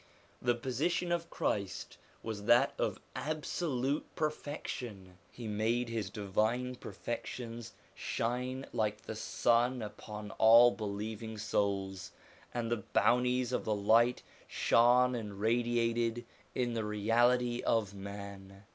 The position of Christ was that of absolute perfec tion; he made his divine perfections shine like the 138 SOME ANSWERED QUESTIONS sun upon all believing souls, and the bounties of the light shone and radiated in the reality of men.